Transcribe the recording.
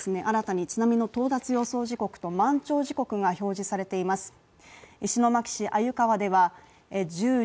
新たに津波の到達予想時刻と満潮時刻が表示されています。